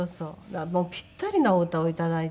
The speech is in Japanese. もうピッタリなお歌を頂いてね。